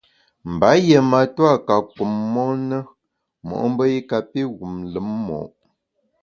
Mba yié matua ka kum mon na mo’mbe i kapi wum lùm mo’.